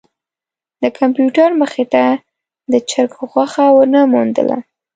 د کمپیوټر مخې ته د چرک غوښه ونه موندله.